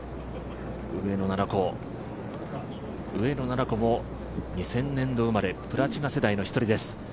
上野菜々子も２０００年度生まれ、プラチナ世代の１人です。